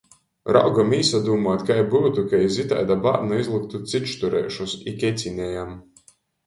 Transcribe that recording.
Raugom īsadūmuot, kai byutu, ka iz itaida bārna izlyktu cičtureišus, i kecinejam.